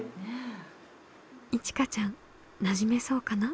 いちかちゃんなじめそうかな？